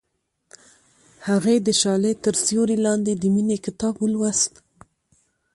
هغې د شعله تر سیوري لاندې د مینې کتاب ولوست.